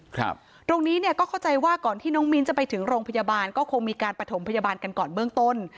ตรงนี้เนี่ยก็เข้าใจว่าก่อนที่น้องมิ้นจะไปถึงโรงพยาบาลก็คงมีการประถมพยาบาลกันก่อนเบื้องต้น